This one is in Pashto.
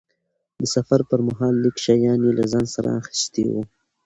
د سفر پرمهال لږ شیان یې له ځانه سره اخیستي وو.